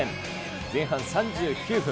前半３９分。